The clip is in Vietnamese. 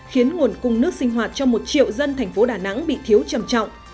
khiến nguồn cung nước sinh hoạt cho một triệu dân thành phố đà nẵng bị thiếu trầm trọng